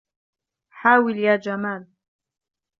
حاول يا جمال.